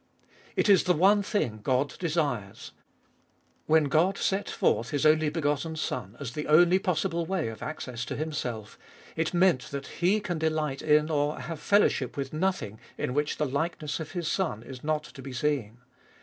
It is the one thing God desires. When God set forth His only begotten Son as the only possible way of access to Himself, it meant that He can delight in or have fellowship with nothing in which the likeness of His Son is not to be seen.